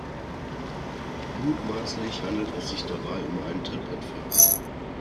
Mutmaßlich handelt es sich dabei um einen Trittbrettfahrer.